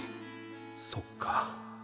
そっか。